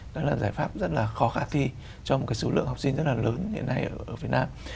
đó là giải pháp rất là khó khả thi cho một cái số lượng học sinh rất là lớn hiện nay ở việt nam